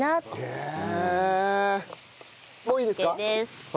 へえ！